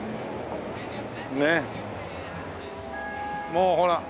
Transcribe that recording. もうほら。